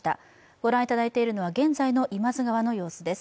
ご覧いただいているのは現在の今津川の様子です。